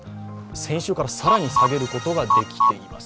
先週から更に下げることができています。